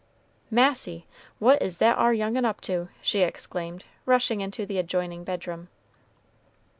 "Massy! what is that ar young un up to!" she exclaimed, rushing into the adjoining bedroom.